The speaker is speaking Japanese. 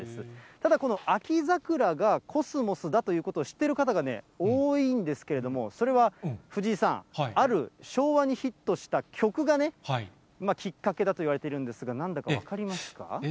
ただこの秋桜がコスモスだということを知ってる方がね、多いんですけども、それは藤井さん、ある昭和にヒットした曲がね、きっかけだといわれているんですが、なんだか分かりますか？